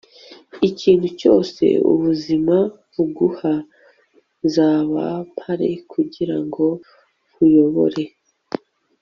ikintu cyose ubuzima buguha nzaba mpari kugirango nkuyobore